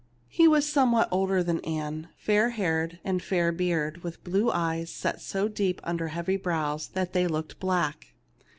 He was somewhat older than Ann ; fair haired and fair bearded, with blue eyes set so deeply under heavy brows that they looked black.